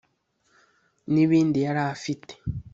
n’ibindi yari afite